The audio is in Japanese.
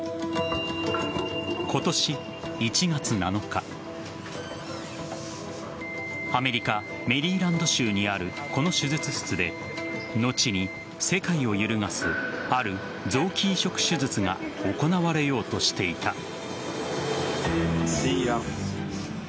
今年１月７日アメリカ・メリーランド州にあるこの手術室で後に世界を揺るがすある臓器移植手術が行われようとしていた。